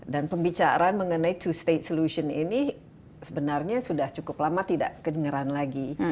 dan pembicaraan mengenai two state solution ini sebenarnya sudah cukup lama tidak kedengeran lagi